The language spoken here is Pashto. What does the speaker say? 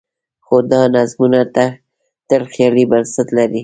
خو دا نظمونه تل خیالي بنسټ لري.